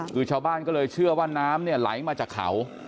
คือชาวบ้านก็เลยเชื่อว่าน้ำเนี่ยไหลมาจากเขา